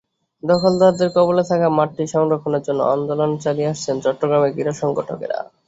দখলদারদের কবলে থাকা মাঠটি সংরক্ষণের জন্য আন্দোলন চালিয়ে আসছেন চট্টগ্রামের ক্রীড়া সংগঠকেরা।